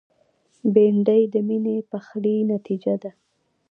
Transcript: بېنډۍ د میني پخلي نتیجه ده